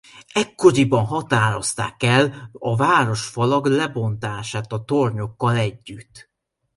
Ekkoriban határozták el a városfalak lebontását a tornyokkal együtt.